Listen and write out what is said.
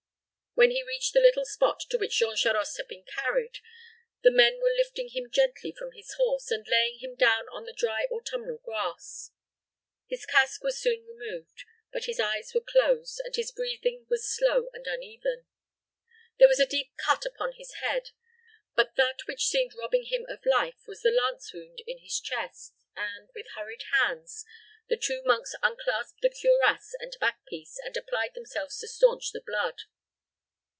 When he reached the little spot to which Jean Charost had been carried, the men were lifting him gently from his horse, and laying him down on the dry autumnal grass. His casque was soon removed; but his eyes were closed, and his breathing was slow and uneven. There was a deep cut upon his head; but that which seemed robbing him of life was the lance wound in his chest, and, with hurried hands, the two monks unclasped the cuirass and back piece, and applied themselves to stanch the blood.